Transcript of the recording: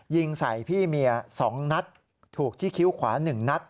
ยิงใส่พี่เมีย๒นัดถูกที่คิ้วขวา๑นัด